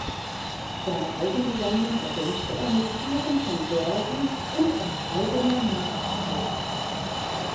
Seine eigene Sammlung ergänzte er mit Tieren von Börsen und aus eigener Nachzucht.